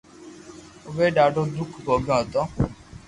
اووي ڌاڌو دوک ڀوگيو ھتو